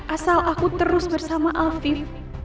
asal aku terus bersama alfie